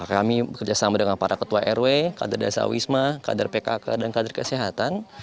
kami bekerjasama dengan para ketua rw kader dasar wisma kader pkk dan kader kesehatan